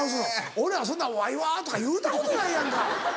俺はそんな「わいは」とか言うたことないやんか。